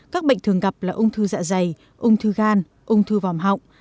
các bệnh thường gặp là ung thư dạ dày ung thư gan ung thư vòng họng